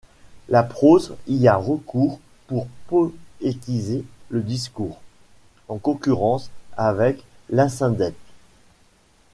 La prose y a recours pour poétiser le discours, en concurrence avec l'asyndète.